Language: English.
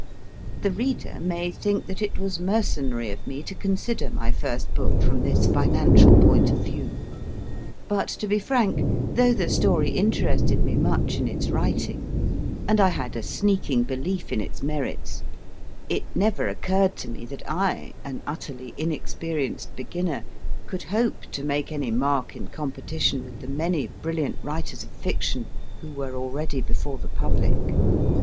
The reader may think that it was mercenary of me to consider my first book from this financial point of view, but to be frank, though the story interested me much in its writing, and I had a sneaking SOME CURIOS belief in its merits, it never occurred to me that I, an utterly inexperienced beginner, could hope to make any mark in competition with the many brilliant writers of fiction who were already before the public.